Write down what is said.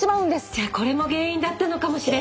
じゃこれも原因だったのかもしれない私！